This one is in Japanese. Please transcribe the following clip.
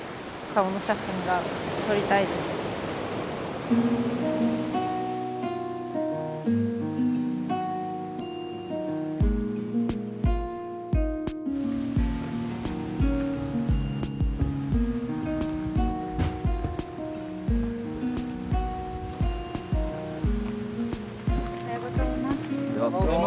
おはようございます。